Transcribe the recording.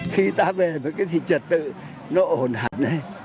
khi ta về thì trật tự nó ổn hẳn